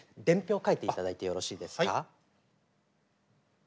伝票書いていただいてよろしいですか？